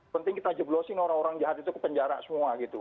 penting kita jeblosin orang orang jahat itu ke penjara semua gitu